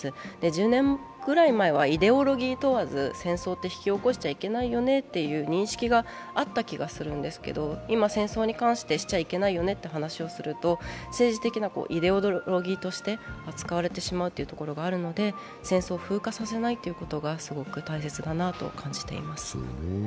１０年くらい前はイデオロギー問わず戦争って引き起こしちゃいけないよねって認識があった気がするんですけど、今、戦争に関してしちゃいけないよねという話をすると政治的なイデオロギーとして扱われてしまうところがあるので、戦争を風化させないことがすごく大切だなと感じています。